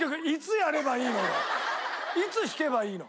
いつ引けばいいの？